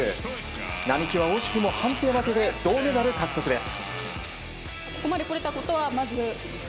並木は惜しくも判定負けで銅メダル獲得です。